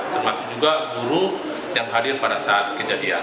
termasuk juga guru yang hadir pada saat kejadian